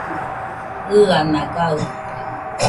ɨana gaɨdɨkue